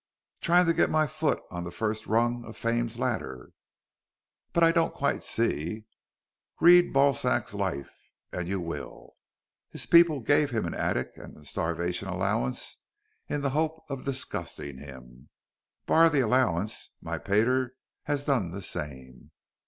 "Trying to get my foot on the first rung of Fame's ladder." "But I don't quite see " "Read Balzac's life and you will. His people gave him an attic and a starvation allowance in the hope of disgusting him. Bar the allowance, my pater has done the same.